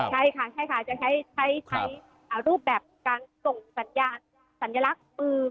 ใช่ค่ะใช่ค่ะจะใช้รูปแบบการส่งสัญญาณสัญลักษณ์มือ